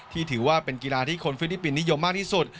ถือว่าเป็นกีฬาที่คนฟิลิปปินสนิยมมากที่สุด